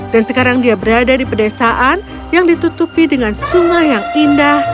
dan sekarang dia berada di pedesaan yang ditutupi dengan sungai yang indah